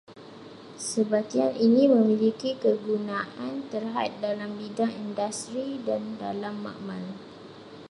Sebatian ini memiliki kegunaan terhad dalam bidang industri dan dalam makmal